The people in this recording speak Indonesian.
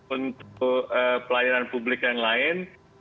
untuk pelayanan publik dan lain